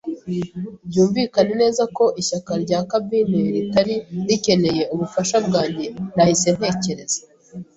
byumvikane neza ko ishyaka rya cabine ritari rikeneye ubufasha bwanjye. Nahise ntekereza